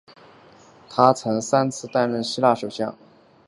他曾三次担任希腊首相。